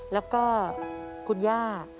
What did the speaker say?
แล้วก็คุณย่า